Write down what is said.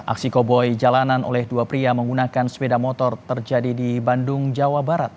aksi koboi jalanan oleh dua pria menggunakan sepeda motor terjadi di bandung jawa barat